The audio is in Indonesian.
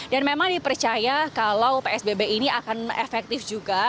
dan memang dipercaya kalau psbb ini akan efektif juga